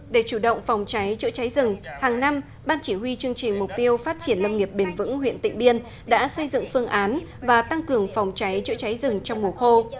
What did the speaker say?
để chủ động phòng cháy chữa cháy rừng hàng năm ban chỉ huy chương trình mục tiêu phát triển lâm nghiệp bền vững huyện tịnh biên đã xây dựng phương án và tăng cường phòng cháy chữa cháy rừng trong mùa khô